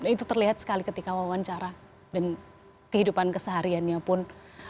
itu terlihat sekali ketika wawancara dan kehidupan kesehariannya pun